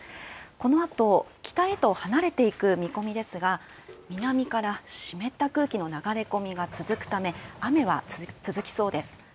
このあと、北へと離れていく見込みですが、南から湿った空気の流れ込みが続くため、雨は続きそうです。